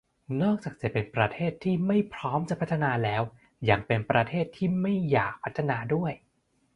นอกจากจะเป็นประเทศไม่พร้อมจะพัฒนาแล้วยังเป็นประเทศที่ไม่อยากพัฒนาด้วย